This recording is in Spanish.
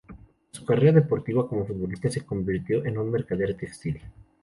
Tras su carrera deportiva como futbolista, se convirtió en un mercader textil.